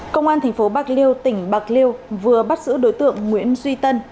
công an thành phố bạc liêu tỉnh bạc liêu vừa bắt giữ đối tượng nguyễn duy tân